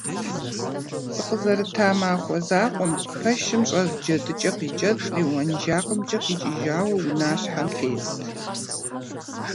Сыкъызэрыта махуэ закъуэм пэшым щӀэз джэдыкӀэ къикӀэцӀри уэнжакъымкӀэ къикӀыжауэ унащхьэм тест.